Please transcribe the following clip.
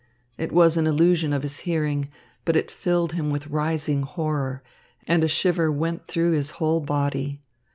It was an illusion of his hearing, but it filled him with rising horror, and a shiver went through his whole body.